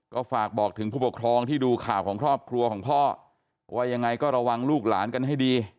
ก็ฝากบอกถึงผู้ปกครองที่ดูข่าวของครอบครัวของพ่อว่ายังไงก็ระวังลูกหลานกันให้ดี